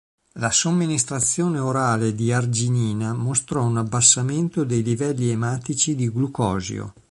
La somministrazione orale di arginina mostrò un abbassamento dei livelli ematici di glucosio.